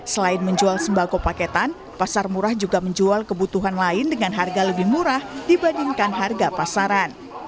selain menjual sembako paketan pasar murah juga menjual kebutuhan lain dengan harga lebih murah dibandingkan harga pasaran